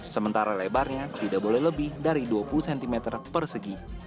sementara lebarnya tidak boleh lebih dari dua puluh cm persegi